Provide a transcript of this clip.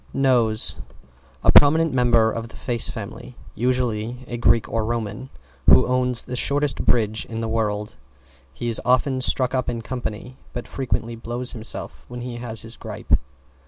=NOSE= A prominent member of the face family, usually a Greek or Roman, who owns the shortest bridge in the world. He is often stuck up in company, but frequently blows himself when he has his grippe.